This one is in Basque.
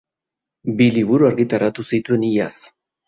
Bi liburu argitaratu zituen iaz.